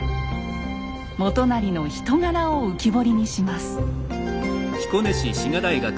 元就の人柄を浮き彫りにします。